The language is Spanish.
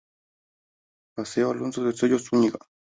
Paseo Alonso de Ercilla y Zuñiga.